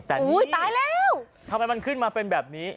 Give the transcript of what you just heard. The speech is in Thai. เฮ้ยถ้ามันขึ้นมาเป็นแบบนี้